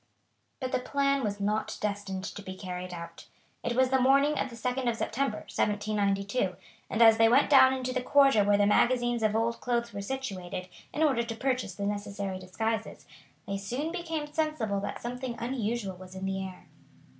But the plan was not destined to be carried out. It was the morning of the 2d of September, 1792, and as they went down into the quarter where the magazines of old clothes were situated, in order to purchase the necessary disguises, they soon became sensible that something unusual was in the air.